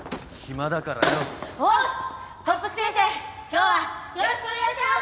今日はよろしくお願いしゃーす！